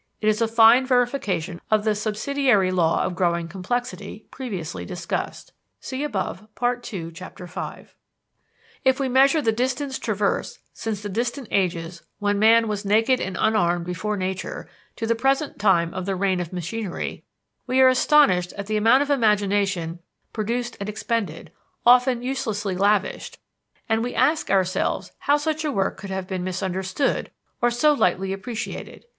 It is a fine verification of the "subsidiary law of growing complexity" previously discussed. If we measure the distance traversed since the distant ages when man was naked and unarmed before nature to the present time of the reign of machinery, we are astonished at the amount of imagination produced and expended, often uselessly lavished, and we ask ourselves how such a work could have been misunderstood or so lightly appreciated.